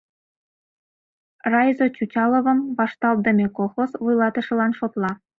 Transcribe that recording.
Райзо Чучаловым «вашталтыдыме» колхоз вуйлатышылан шотла.